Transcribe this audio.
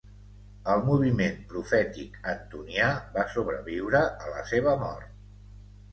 El moviment profètic antonià va sobreviure a la seva mort.